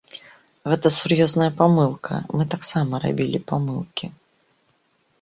Гэта сур'ёзная памылка, мы таксама рабілі памылкі.